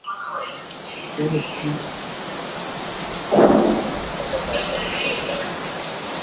umuhimu wa kuwepo kitabu chenye kuhusisha Watanzania wote kwanza